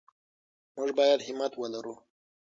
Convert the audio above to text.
موږ باید همت ولرو.